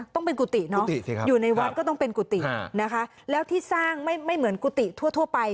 ต้องเป็นกุฏิเนาะอยู่ในวัดก็ต้องเป็นกุฏินะคะแล้วที่สร้างไม่เหมือนกุฏิทั่วไป